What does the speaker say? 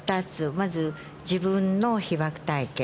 まず、自分の被爆体験。